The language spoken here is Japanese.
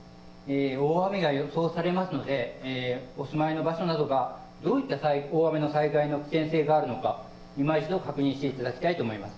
大雨が予想されますので、お住まいの場所などがどういった災害の危険性があるのか、いま一度確認していただきたいと思います。